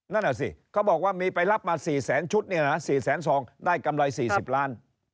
นั่นอ่ะสิเขาบอกว่ามีไปรับมา๔แสนชุดเนี่ยนะ๔แสนซองได้กำไร๔๐ล้าน